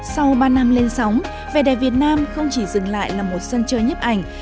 sau ba năm lên sóng về đài việt nam không chỉ dừng lại là một sân chơi nhấp ảnh